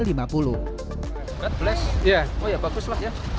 god bless oh ya bagus lah ya